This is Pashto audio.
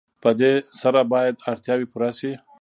په دې سره باید اړتیاوې پوره شي.